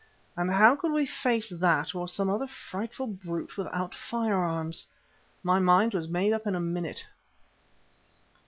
And how could we face that or some other frightful brute without firearms? My mind was made up in a minute.